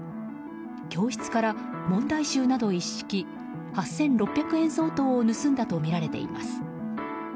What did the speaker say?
教室から問題集など一式８６００円相当を盗んだとみられています。